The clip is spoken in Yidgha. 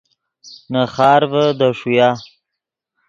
نے خارڤے دے ݰویا